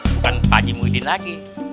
bukan pak haji muhyiddin lagi